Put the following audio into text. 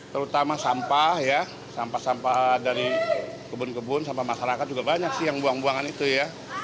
terutama sampah ya sampah sampah dari kebun kebun sampah masyarakat juga banyak sih yang buang buangan itu ya